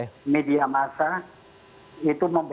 ini p pneum enam puluh tujuh setelah jadi istri independenti